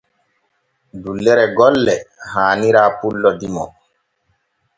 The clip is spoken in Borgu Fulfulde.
Dullere golle haanira pullo dimo.